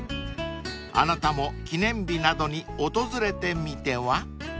［あなたも記念日などに訪れてみては？］